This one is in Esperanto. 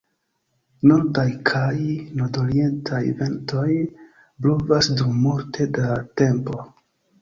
Nordaj kaj nordorientaj ventoj blovas dum multe da tempo.